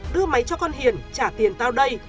đưa máy cho con hiền trả tiền tao đây